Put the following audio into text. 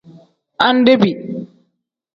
Andebi.